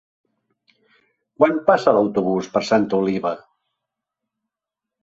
Quan passa l'autobús per Santa Oliva?